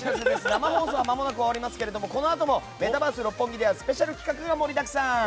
生放送はまもなく終わりますがこのあともメタバース六本木ではスペシャル企画が盛りだくさん。